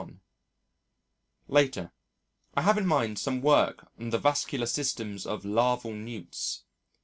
Later: I have in mind some work on the vascular system of larval newts.